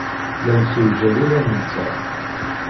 La nessewjad iman-nteɣ.